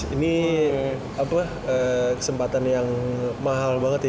ini kesempatan yang mahal banget ya